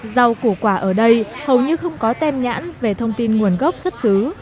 rau củ quả ở đây hầu như không có tem nhãn về thông tin nguồn gốc xuất xứ